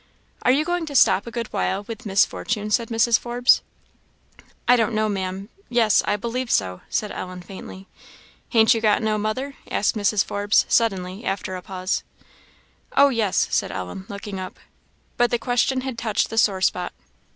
"Are you going to stop a good while with Miss Fortune?" said Mrs. Forbes. "I don't know, Maam yes, I believe so," said Ellen, faintly. "Han't you got no mother?" asked Mrs. Forbes, suddenly, after a pause. "Oh, yes!" said Ellen, looking up. But the question had touched the sore spot.